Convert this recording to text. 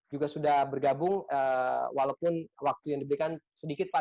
juga sudah bergabung walaupun waktu yang diberikan sedikit pak